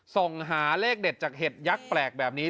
ส่งหาเลขเด็ดจากเห็ดยักษ์แปลกแบบนี้